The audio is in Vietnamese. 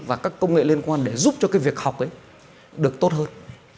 và các công nghệ liên quan để giúp cho cái việc học ấy được tốt hơn